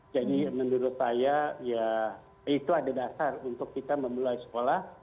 jadi menurut saya ya itu ada dasar untuk kita memulai sekolah